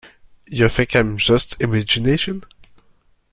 You think I'm just imagination?